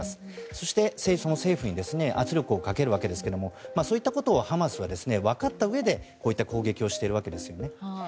そして、政府に圧力をかけるわけですけれどもそういったことをハマスは分かったうえでこういった攻撃をしているわけですよね。